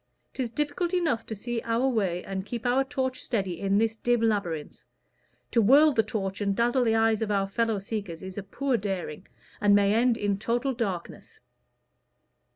'Tis difficult enough to see our way and keep our torch steady in this dim labyrinth: to whirl the torch and dazzle the eyes of our fellow seekers is a poor daring, and may end in total darkness.